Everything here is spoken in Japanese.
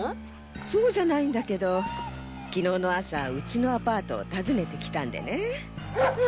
そうじゃないんだけど昨日の朝うちのアパートを訪ねてきたんでね。